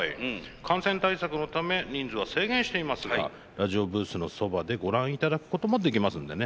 感染対策のため人数は制限していますがラジオブースのそばでご覧いただくこともできますんでね。